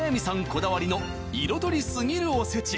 こだわりの彩りすぎるおせち